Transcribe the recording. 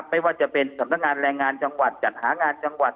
ไม่ว่าจะเป็นสำนักงานแรงงานจังหวัดจัดหางานจังหวัด